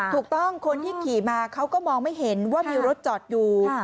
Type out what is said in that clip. คนที่ขี่มาเขาก็มองไม่เห็นว่ามีรถจอดอยู่